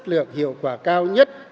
hết lượng hiệu quả cao nhất